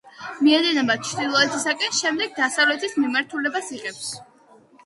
მიედინება ჩრდილოეთისაკენ, შემდეგ დასავლეთის მიმართულებას იღებს.